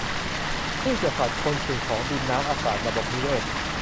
พืชกะสัตว์ คน สิ่งของ ดิน น้ำ อากาศ ระบบนิเวศ